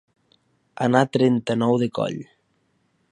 Anar a trenta-nou de coll.